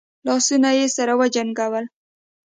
لاسونه يې سره وجنګول.